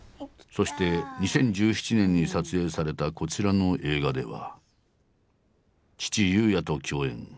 そして２０１７年に撮影されたこちらの映画では父裕也と共演。